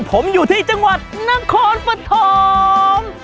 ผมอยู่ที่จังหวัดนครปฐม